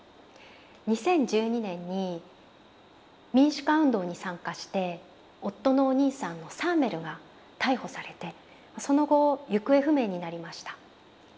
２０１２年に民主化運動に参加して夫のお兄さんのサーメルが逮捕されてその後行方不明になりました。